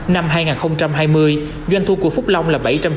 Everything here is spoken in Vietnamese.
năm hai nghìn hai mươi doanh thu của phúc long là bảy trăm chín mươi